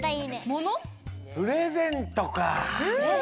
プレゼントか。